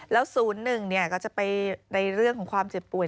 แล้ว๐๑ก็จะไปในเรื่องของความเจ็บป่วย